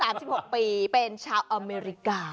อายุ๓๖ปีเป็นชาวอเมริกา